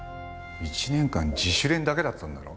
１年間自主練だけだったんだろ？